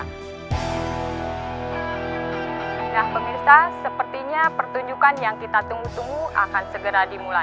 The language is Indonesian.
nah pemirsa sepertinya pertunjukan yang kita tunggu tunggu akan segera dimulai